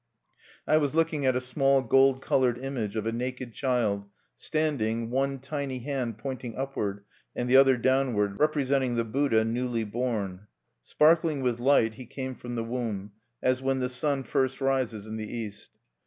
I was looking at a small gold colored image of a naked child, standing, one tiny hand pointing upward, and the other downward, representing the Buddha newly born. _Sparkling with light he came from the womb, as when the Sun first rises in the east....